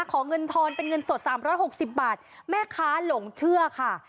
ขอเงินทอนเป็นเงินสด๓๖๐บาทแม่ค้าหลงเชื่อค่ะ